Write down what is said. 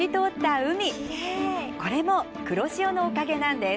これも黒潮のおかげなんです。